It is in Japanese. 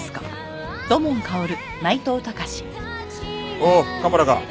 おう蒲原か。